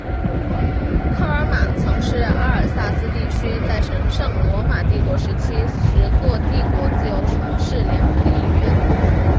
科尔马曾是阿尔萨斯地区在神圣罗马帝国时期十座帝国自由城市联盟的一员。